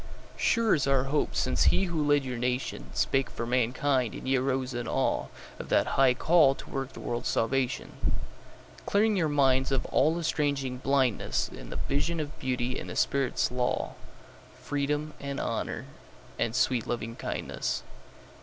Sure is our hope since he who led your nationSpake for mankind, and ye arose in aweOf that high call to work the world's salvation; Clearing your minds of all estranging blindnessIn the vision of Beauty and the Spirit's law, Freedom and Honour and sweet Lovingkindness.